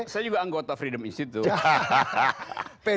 saya juga anggota freedom institute